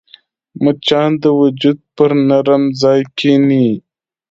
مچان د وجود پر نرم ځای کښېني